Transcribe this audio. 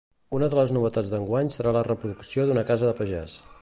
Una de les novetats d'enguany serà la reproducció d'una casa de pagès.